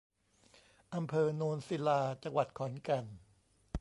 อำเภอโนนศิลา จังหวัดขอนแก่น